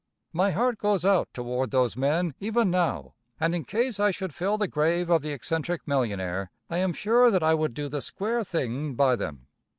My heart goes out toward those men even now, and in case I should fill the grave of the eccentric millionaire, I am sure that I would do the square thing by them.